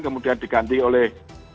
kemudian diganti oleh